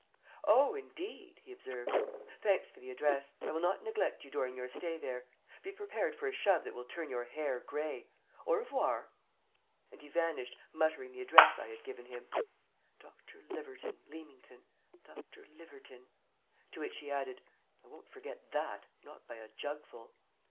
"Oh, indeed!" he observed. "Thanks for the address. I will not neglect you during your stay there. Be prepared for a shove that will turn your hair gray. Au revoir." And he vanished, muttering the address I had given him "Dr. Liverton, Leamington Dr. Liverton." To which he added, "I won't forget that, not by a jugful."